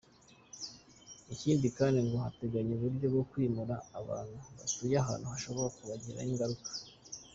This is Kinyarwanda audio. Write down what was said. Ikindi kandi ngo barateganya uburyo bwo kwimura abantu batuye ahantu hashobora kubagiraho ingaruka.